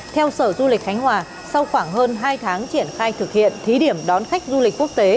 theo sở du lịch khánh hòa sau khoảng hơn hai tháng triển khai thực hiện thí điểm đón khách du lịch quốc tế